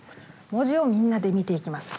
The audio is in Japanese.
文字をみんなで見ていきます。